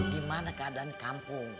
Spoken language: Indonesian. gimana keadaan kampung